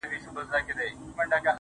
د سترگو هره ائينه کي مي ستا نوم ليکلی